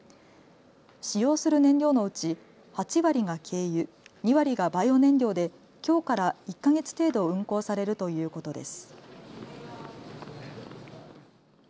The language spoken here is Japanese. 使用する燃料のうち８割が軽油、２割がバイオ燃料できょうから１か月程度運行されるということです。